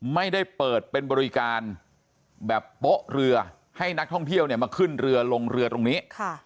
ไม่ได้เปิดเป็นบริการแบบโป๊ะเรือให้นักท่องเที่ยวเนี่ยมาขึ้นเรือลงเรือตรงนี้